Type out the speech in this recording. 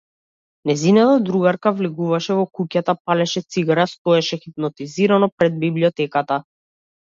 Нејзината другарка влегуваше во куќата, палеше цигара, стоеше хипнотизирано пред библиотеката.